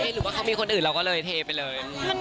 หรือว่าเขามีคนอื่นเราก็เลยเทไปเลย